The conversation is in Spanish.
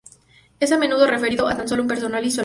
Es a menudo referido a tan por su personal y alumnado.